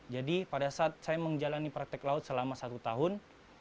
jadi pada saat saya menjalani praktik laut selama satu tahun